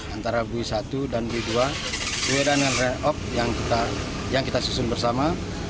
antara bui satu dan bui dua bui dan re op yang kita susun bersama